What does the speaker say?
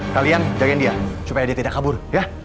kalian jagain dia supaya dia tidak kabur ya